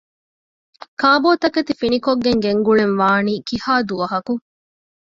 ކާބޯތަކެތި ފިނިކޮށްގެން ގެންގުޅެން ވާނީ ކިހާ ދުވަހަކު؟